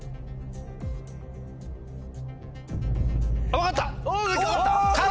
分かった？